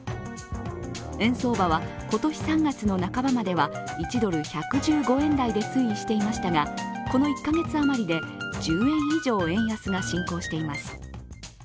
円相場は今年３月の半ばまでは１ドル＝１１５円台で推移していましたがこの１カ月余りで１０円以上円安が進行しています。